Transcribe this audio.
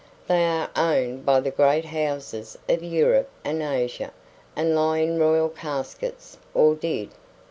They are owned by the great houses of Europe and Asia, and lie in royal caskets; or did.